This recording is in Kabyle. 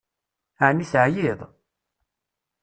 Ɛni teɛyiḍ?